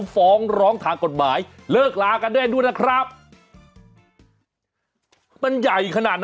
ตรงตามกลับบ้านใช่ไหมอ๋อ